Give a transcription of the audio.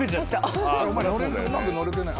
うまく乗れてない。